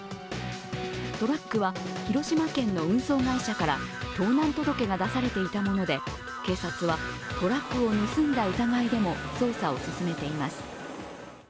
トラックは広島県の運送会社から盗難届が出されていたもので警察は、トラックを盗んだ疑いでも捜査を進めています。